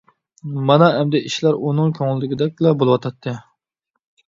مانا ئەمدى ئىشلار ئۇنىڭ كۆڭلىدىكىدەكلا بولۇۋاتاتتى.